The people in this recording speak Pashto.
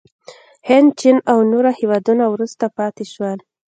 هند، چین او نور هېوادونه وروسته پاتې شول.